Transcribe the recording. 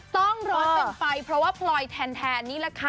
ต้องร้อนเป็นไฟเพราะว่าพลอยแทนนี่แหละค่ะ